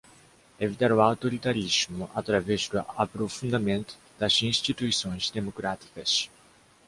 Evitar o autoritarismo através do aprofundamento das instituições democráticas